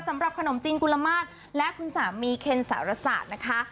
สำหรับขนมจีนกุลมาตรและคุณสามีเคนสารศาสตร์นะคะ